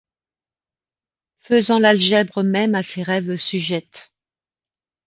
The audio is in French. Faisant l’algèbre même à ses rêves sujette